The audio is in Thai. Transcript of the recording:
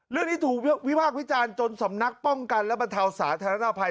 เรื่องนี้ถูกวิพากษ์วิจารณ์จนสำนักป้องกันและบรรเทาสาธารณภัย